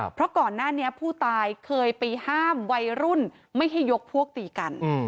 เพราะก่อนหน้านี้ผู้ตายเคยไปห้ามวัยรุ่นไม่ให้ยกพวกตีกัน